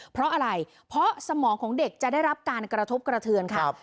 เพราะอะไรเพราะสมองของเด็กจะได้รับการกระทบกระเทือนค่ะ